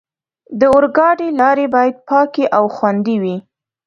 د اورګاډي لارې باید پاکې او خوندي وي.